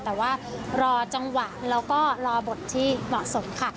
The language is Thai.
แต่ว่ารอจังหวะแล้วก็รอบทที่เหมาะสมค่ะ